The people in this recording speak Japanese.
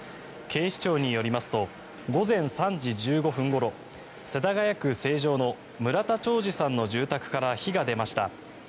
警視庁によりますと午前３時１５分ごろ世田谷区成城の村田兆治さんの住宅から火が出ました。